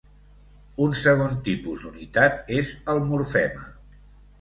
Un segon tipus d'unitat és el morfema.